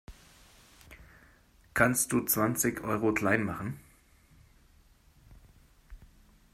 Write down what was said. Kannst du zwanzig Euro klein machen?